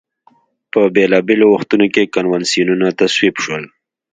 بیا په بېلا بېلو وختونو کې کنوانسیونونه تصویب شول.